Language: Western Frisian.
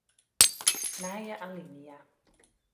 Nije alinea.